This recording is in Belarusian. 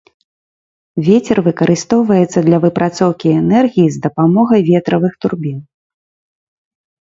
Вецер выкарыстоўваецца для выпрацоўкі энергіі з дапамогай ветравых турбін.